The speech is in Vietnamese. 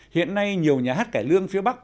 hiện nay nhiều nhà hát cải lương phía bắc